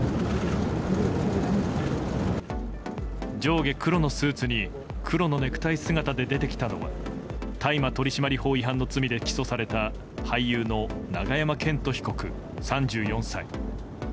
上下黒のスーツに黒のネクタイ姿で出てきたのは大麻取締法違反の罪で起訴された俳優の永山絢斗被告、３４歳。